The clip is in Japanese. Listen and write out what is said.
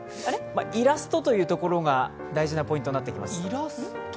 イラストというところが重要なポイントになってきます。